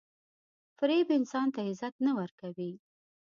• فریب انسان ته عزت نه ورکوي.